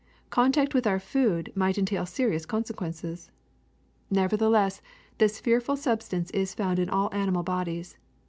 Contact with our food might entail serious consequences. Nevertheless this fearful substance is found in all animal bodies.